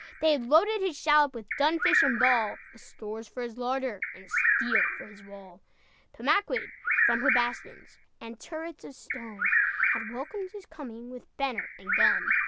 They had loaded his shallop With dun fish and ball, With stores for his larder, And steel for his wall. Pemaquid, from her bastions And turrets of stone, Had welcomed his coming With banner and gun.